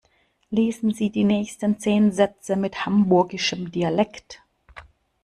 Lesen Sie die nächsten zehn Sätze mit hamburgischem Dialekt.